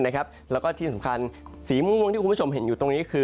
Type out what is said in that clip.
แล้วก็ที่สำคัญสีม่วงที่คุณผู้ชมเห็นอยู่ตรงนี้คือ